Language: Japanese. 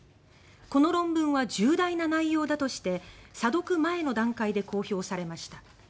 この論文は重大な内容だとして査読前の段階で公表されました。